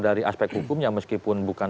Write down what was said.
dari aspek hukumnya meskipun bukan